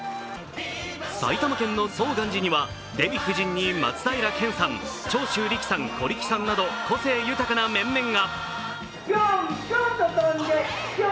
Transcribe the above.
埼玉県の總願寺にはデヴィ夫人に松平健さん、長州力さん、小力さんなど個性豊かな面々が。